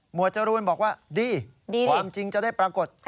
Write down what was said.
จรูนบอกว่าดีความจริงจะได้ปรากฏ